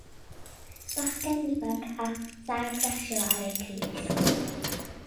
Bachgen ifanc â thag rasio ar ei grys.